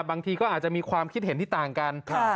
บางทีก็อาจจะมีความคิดเห็นที่ต่างกัน